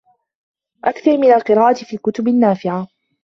أَكْثِرْ مِنَ الْقِرَاءةِ فِي الْكُتُبِ النَّافِعَةِ